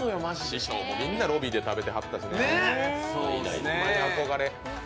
師匠もみんなロビーで食べてらしたしね、憧れ。